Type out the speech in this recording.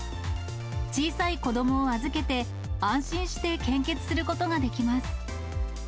小さい子どもを預けて、安心して献血することができます。